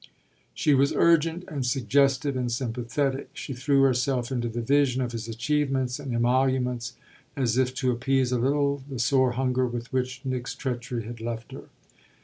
She was urgent and suggestive and sympathetic; she threw herself into the vision of his achievements and emoluments as if to appease a little the sore hunger with which Nick's treachery had left her.